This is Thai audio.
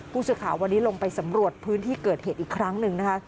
ผู้สื่อข่าววันนี้ลงไปสำรวจพื้นที่เกิดเหตุอีกครั้งหนึ่งนะคะ